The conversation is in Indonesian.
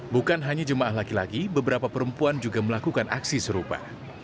bukan hanya jemaah laki laki beberapa perempuan juga melakukan aksi serupa